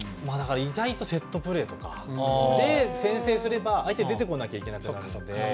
意外とセットプレーとかで先制すれば、相手は出てこないといけなくなるので。